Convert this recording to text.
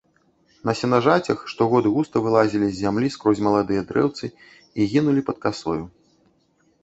На сенажацях штогод густа вылазілі з зямлі скрозь маладыя дрэўцы і гінулі пад касою.